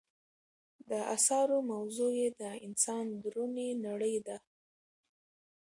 د اثارو موضوع یې د انسان دروني نړۍ ده.